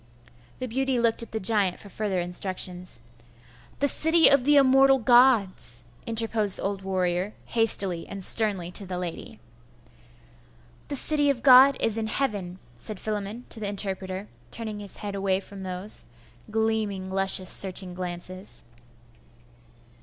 The beauty looked at the giant for further instructions. 'The City of the immortal Gods,' interposed the old warrior, hastily and sternly, to the lady. 'The city of God is in heaven,' said Philammon to the interpreter, turning his head away from those gleaming, luscious, searching glances.